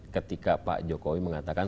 ketika pak jokowi mengatakan